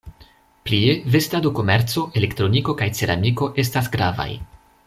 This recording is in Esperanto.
Plie, vestado-komerco, elektroniko kaj ceramiko estas gravaj.